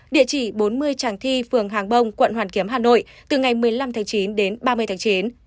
địa chỉ bốn mươi tràng thi phường hàng bông quận hoàn kiếm hà nội từ ngày một mươi năm tháng chín đến ba mươi tháng chín